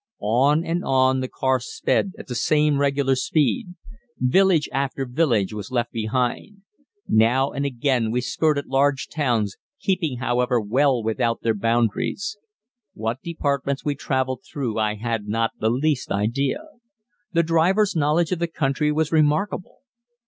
On and on the car sped at the same regular speed. Village after village was left behind. Now and again we skirted large towns, keeping, however, well without their boundaries. What departments we travelled through I had not the least idea. The driver's knowledge of the country was remarkable.